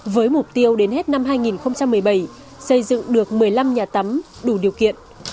với mục tiêu đến hết năm hai nghìn một mươi bảy xây dựng được một mươi năm nhà tắm đủ điều kiện